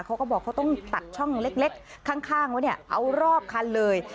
เขาก็บอกเขาต้องตัดช่องเล็กข้างไว้เนี่ยเอารอบคันเลย